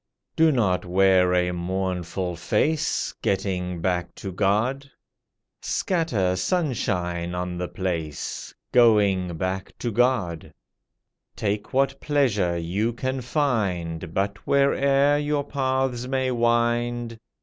Do not wear a mournful face Getting back to God; Scatter sunshine on the place Going back to God; Take what pleasure you can find, But where'er your paths may wind.